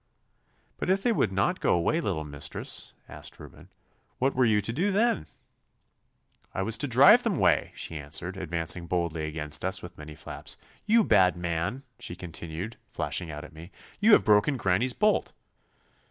'But if they would not go away, little mistress,' asked Reuben, 'what were you to do then?' 'I was to drive them 'way,' she answered, advancing boldly against us with many flaps. 'You bad man!' she continued, flashing out at me, 'you have broken granny's bolt.